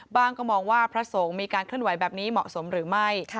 ก็มองว่าพระสงฆ์มีการเคลื่อนไหวแบบนี้เหมาะสมหรือไม่